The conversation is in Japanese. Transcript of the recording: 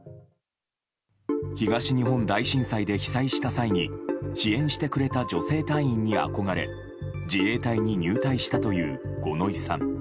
東日本大震災で被災した際に支援してくれた女性隊員に憧れ自衛隊に入隊したという五ノ井さん。